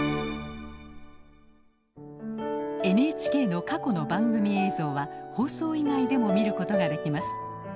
ＮＨＫの過去の番組映像は放送以外でも見ることができます